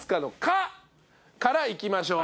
からいきましょう